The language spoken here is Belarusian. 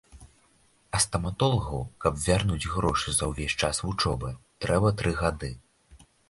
А стаматолагу, каб вярнуць грошы за ўвесь час вучобы, трэба тры гады.